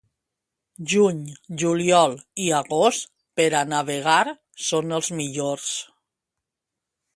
Juny, juliol i agost, per a navegar, són els millors.